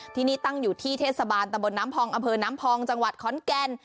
ที่นี่ตั้งอยู่ที่เทศบาลตะบนน้ำพองอำเภอน้ำพองจังหวัดขอนแก่น